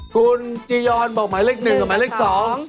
คุณจียอนบอกหมายเลขหนึ่งกับหมายเลข๒